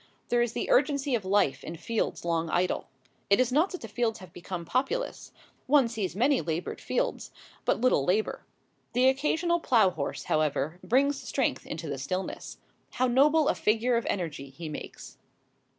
There is the urgency of life in fields long idle. It is not that the fields have become populous. One sees many laboured fields, but little labour. The occasional plough horse, however, brings strength into the stillness. How noble a figure of energy he makes!